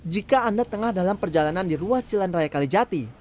jika anda tengah dalam perjalanan di ruas jalan raya kalijati